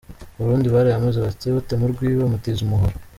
Abarundi barayamaze bati "Uwutema urwiwe bamutiza umuhoro".